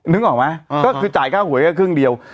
นึกออกไหมก็คือจ่ายค่าหวยแค่ครึ่งเดียว